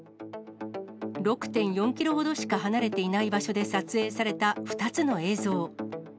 ６．４キロほどしか離れていない場所で、撮影された２つの映像。